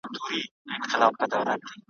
لکه د ښایستو رنګونو په ترکیب کي,